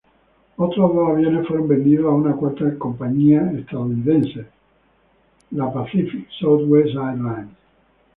Otros dos aviones fueron vendidos a una cuarta compañía estadounidense, la Pacific Southwest Airlines.